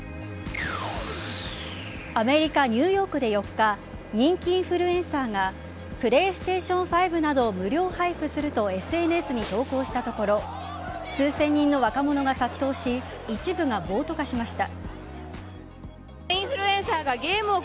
アメリカ・ニューヨークで４日人気インフルエンサーがＰｌａｙＳｔａｔｉｏｎ５などを無料配布するとＳＮＳに投稿したところ数千人の若者が殺到し一部が暴徒化しました。